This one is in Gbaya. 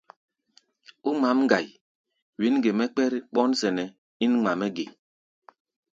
Ó ŋmǎʼm ŋgai, wɛ̌n ge mɛ́ kpɛ́r ɓɔ́nsɛnɛ́ ín ŋma-mɛ́ ge?